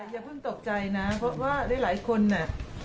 อย่าเพิ่งตกใจนะเพราะว่าหลายคนน่ะ